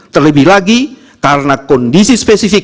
terlebih lagi karena kondisi spesifik